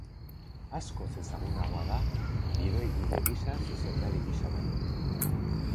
Askoz ezagunagoa da gidoigile gisa zuzendari gisa baino.